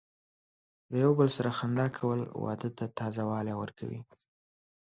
د یو بل سره خندا کول، واده ته تازه والی ورکوي.